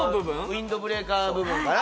ウインドブレーカー部分かな？